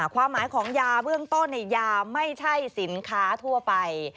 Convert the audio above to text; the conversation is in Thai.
ความหมายของยาเบื้องต้นยาไม่ใช่สินค้าทั่วไป